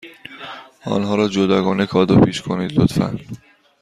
آنها را جداگانه کادو پیچ کنید، لطفا.